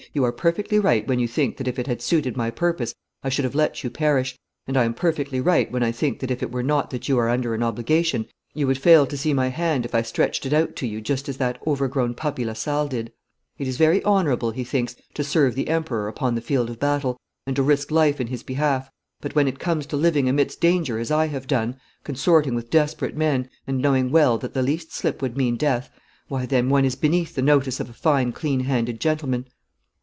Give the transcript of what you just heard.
'You are perfectly right when you think that if it had suited my purpose I should have let you perish, and I am perfectly right when I think that if it were not that you are under an obligation you would fail to see my hand if I stretched it out to you just as that overgrown puppy Lasalle did. It is very honourable, he thinks, to serve the Emperor upon the field of battle, and to risk life in his behalf, but when it comes to living amidst danger as I have done, consorting with desperate men, and knowing well that the least slip would mean death, why then one is beneath the notice of a fine clean handed gentleman.